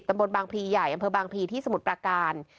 บางพลีใหญ่อำเภอบางพลีที่สมุทรประการ